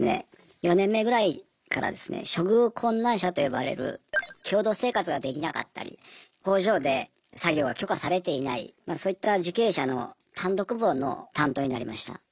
４年目ぐらいからですね処遇困難者と呼ばれる共同生活ができなかったり工場で作業が許可されていないそういった受刑者の単独房の担当になりました。